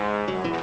bukan kang idoi